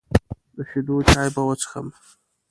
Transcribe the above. د شیدو چای به وڅښم.